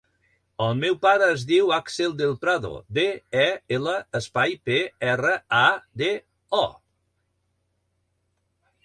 El meu pare es diu Axel Del Prado: de, e, ela, espai, pe, erra, a, de, o.